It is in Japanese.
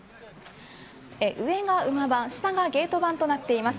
上が馬番下がゲート番となっています。